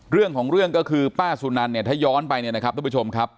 เรื่องของเรื่องก็คือป้าสุนันเนี่ยถ้าย้อนไปเนี่ยนะครับทุกผู้ชมครับ